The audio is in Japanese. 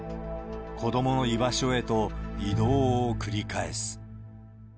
子どもの居場所へと移動を繰り返す。